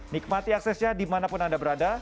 nikmati aksesnya dimanapun anda berada